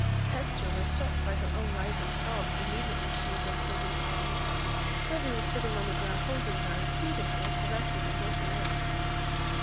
Hester was stopped by her own rising sobs, immediately she was in Sylvia's arms. Sylvia was sitting on the ground holding her, and soothing her with caresses and broken words.